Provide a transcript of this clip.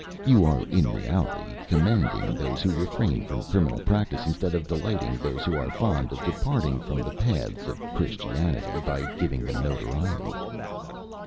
You are in reality commending those who refrain from criminal practice, instead of delighting those who are fond of departing from the paths of Christianity by giving them notoriety."